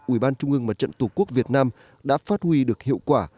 ủy ban trung ương mặt trận tổ quốc việt nam đã phát huy được hiệu quả